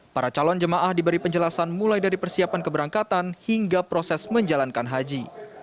para calon jemaah diberi penjelasan mulai dari persiapan keberangkatan hingga proses menjalankan haji